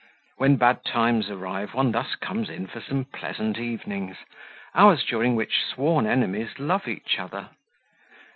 When bad times arrive one thus comes in for some pleasant evenings, hours during which sworn enemies love each other.